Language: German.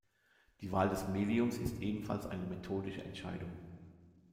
Die Wahl des Mediums ist ebenfalls eine methodische Entscheidung.